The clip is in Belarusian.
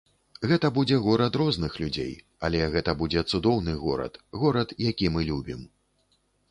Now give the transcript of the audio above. Гэта будзе горад розных людзей, але гэта будзе цудоўны горад, горад, які мы любім.